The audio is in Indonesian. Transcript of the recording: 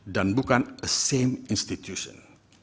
dan bukan a same institution